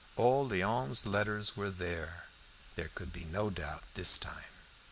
All Léon's letters were there. There could be no doubt this time.